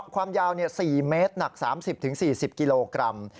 ความยาว๔เมตรหนัก๓๐๔๐กิโลกรัม